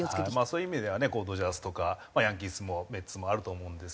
そういう意味ではねドジャースとかヤンキースもメッツもあると思うんですけど。